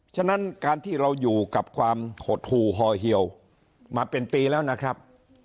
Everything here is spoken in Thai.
ฉะนั้นการที่เราอยู่กับความหดหู่ห่อเหี่ยวมาเป็นปีแล้วนะครับ